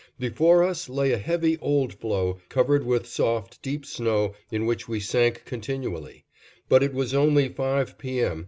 Before us lay a heavy, old floe, covered with soft, deep snow in which we sank continually; but it was only five P. M.